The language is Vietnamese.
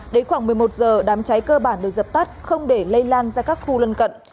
đến khoảng một mươi một giờ đám cháy cơ bản được dập tắt không để lây lan ra các khu lân cận